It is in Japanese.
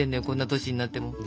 こんな歳になっても。